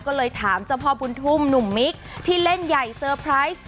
ก็เลยถามเจ้าพ่อบุญทุ่มหนุ่มมิกที่เล่นใหญ่เตอร์ไพรส์